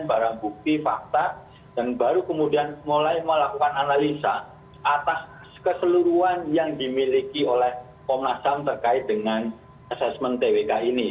barang bukti fakta dan baru kemudian mulai melakukan analisa atas keseluruhan yang dimiliki oleh komnas ham terkait dengan asesmen twk ini